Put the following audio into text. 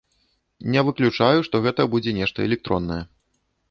Не выключаю, што гэта будзе нешта электроннае.